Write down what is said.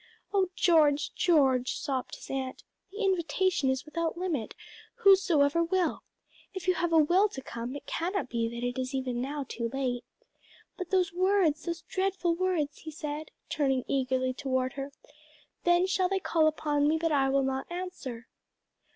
"O George, George!" sobbed his aunt, "the invitation is without limit 'whosoever will;' if you have a will to come, it cannot be that it is even now too late." "But those words those dreadful words," he said, turning eagerly toward her, "Then shall they call upon me, but I will not answer.'"